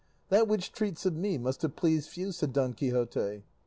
"That which treats of me must have pleased few," said Don Quixote.